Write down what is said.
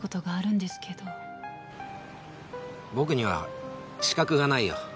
僕には資格がないよ。